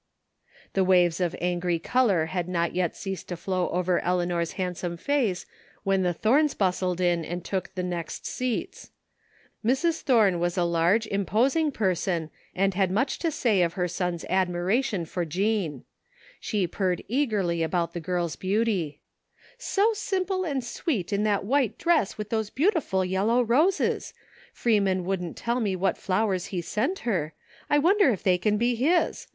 The waves of angry color had not yet ceased to flow over Eleanor's handsome face when the Tihomes bustled in and took the next seats. Mrs. Thome was a large, imposing person and had much to say of her son's admiration for Jean. She purred eagerly about the girl's beauty : 217 THE FINDING OF JASPER HOLT " So simple and sweet in tlu^t white dress with those beautiful yellow roses!. Freeman wouldn't tell me what flowers lie sent her. I wonder if they can be his.